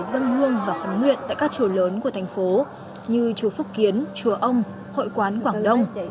dâng hương và khấn nguyện tại các chủ lớn của thành phố như chùa phúc kiến chùa ông hội quán quảng đông